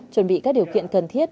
chuẩn bị các điều kiện cần thiết